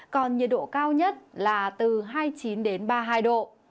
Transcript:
còn nhiệt độ cao nhất là từ hai mươi chín đến ba mươi hai độ